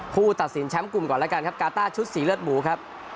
ผู้ตัดสินแชมป์กลุ่มก่อนแล้วกันครับกาต้าชุดสีเลือดหมูครับ